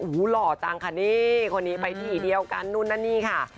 โอ้โหหล่อจังค่ะนี่คนนี้ไปที่เดียวกันนู่นนั่นนี่ค่ะ